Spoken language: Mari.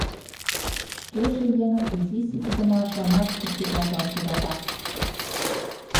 Шкеже еҥым изи ситыдымашланат критиковатлаш йӧрата.